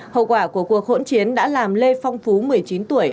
hậu quả của cuộc hỗn chiến đã làm lê phong phú một mươi chín tuổi